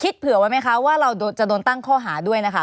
เผื่อไว้ไหมคะว่าเราจะโดนตั้งข้อหาด้วยนะคะ